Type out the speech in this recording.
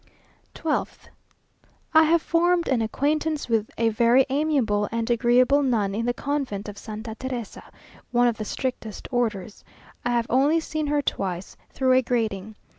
12th. I have formed an acquaintance with a very amiable and agreeable nun in the convent of Santa Teresa, one of the strictest orders. I have only seen her twice, through a grating.